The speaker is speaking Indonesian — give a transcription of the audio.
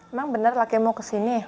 emang bener laki laki mau kesini